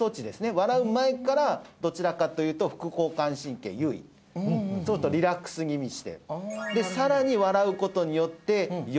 笑う前からどちらかというと副交感神経優位ちょっとリラックス気味はあ